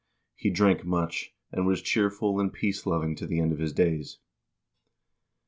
He drank much, and was cheerful and peace loving to the end of his days."